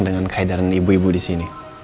dengan kehadiran ibu ibu disini